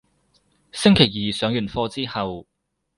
星期二上完課之後